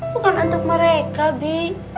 bukan untuk mereka bi